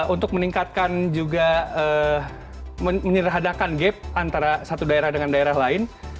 untuk meningkatkan juga menyederhadakan gap antara satu daerah dengan daerah lain